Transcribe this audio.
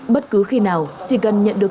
bất cứ khi nào chỉ cần nhận được